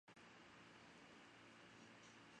期间她曾随队两次夺得足协杯冠军。